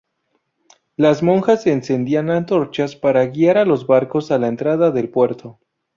Las monjas encendían antorchas para guiar a los barcos a la entrada del puerto.